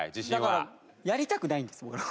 いやだからやりたくないんですこれを。